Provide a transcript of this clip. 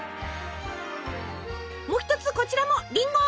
も一つこちらもりんご！